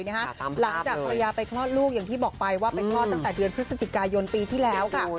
หลังจากภรรยาไปคลอดลูกอย่างที่บอกไปว่าไปคลอดตั้งแต่เดือนพฤศจิกายนปีที่แล้วค่ะ